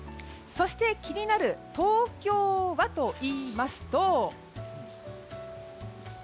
そして、気になる東京はといいますと。